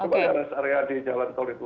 soalnya ada area di jalan tol itu